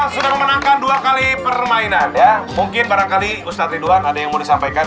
sedang menangkan dua kali permainan ya mungkin barangkali ustadz ridwan ada yang mau disampaikan